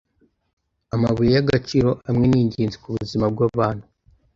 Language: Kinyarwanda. Amabuye y'agaciro amwe ni ingenzi kubuzima bwabantu.